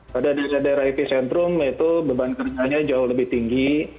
pada daerah daerah epicentrum itu beban kerjanya jauh lebih tinggi